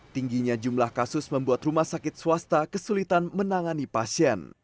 tingginya jumlah kasus membuat rumah sakit swasta kesulitan menangani pasien